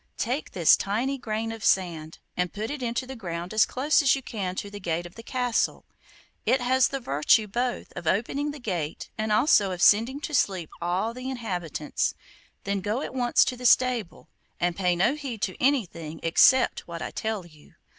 Take this tiny grain of sand, and put it into the ground as close as you can to the gate of the castle. It has the virtue both of opening the gate and also of sending to sleep all the inhabitants. Then go at once to the stable, and pay no heed to anything except what I tell you.